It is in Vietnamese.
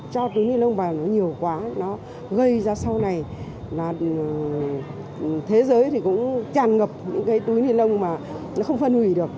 cho túi ni lông vào nó nhiều quá nó gây ra sau này là thế giới thì cũng tràn ngập những cái túi ni lông mà nó không phân hủy được